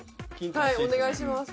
はいお願いします。